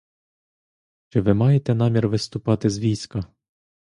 Чи ви маєте намір виступити з війська?